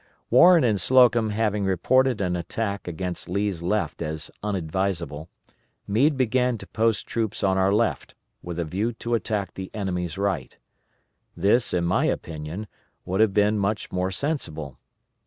Warren and Slocum having reported an attack against Lee's left as unadvisable, Meade began to post troops on our left, with a view to attack the enemy's right. This, in my opinion, would have been much more sensible.